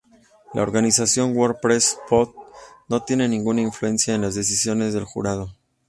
La organización World Press Photo no tiene ninguna influencia en las decisiones del jurado.